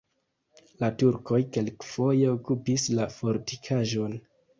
La turkoj kelkfoje okupis la fortikaĵon.